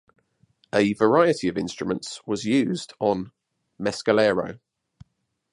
A variety of instruments was used on "Mescalero".